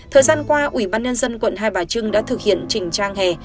thời gian qua ủy ban nhân dân quận hai bà trưng đã thực hiện trình trang hè